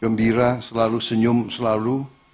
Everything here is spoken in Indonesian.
gembira selalu senyum selalu